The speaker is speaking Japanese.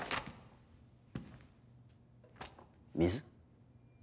水？